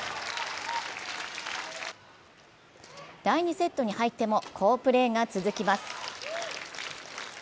第２セットに入っても好プレーが続きます。